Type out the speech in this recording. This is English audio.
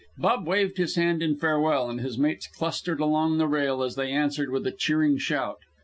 Bub waved his hand in farewell, and his mates clustered along the rail as they answered with a cheering shout.